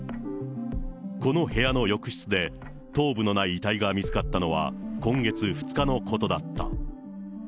この部屋の浴室で、頭部のない遺体が見つかったのは今月２日のことだった。